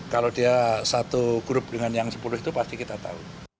kalau dia satu grup dengan yang sepuluh itu pasti kita tahu